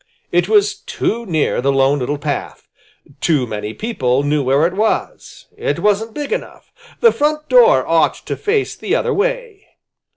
It was too near the Lone Little Path. Too many people knew where it was. It wasn't big enough. The front door ought to face the other way.